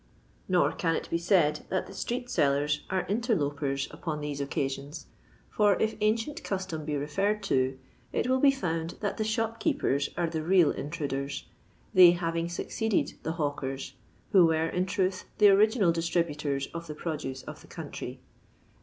Nor can it be said that the Sbtd SelUrt are int<frlopers upon these occasions, for if ancient custom be referred to, it will be found that the Shopkeepers are the real intruders, they having succeeded the Hawkers, who were, in truth, the original distributors of the produce of the country.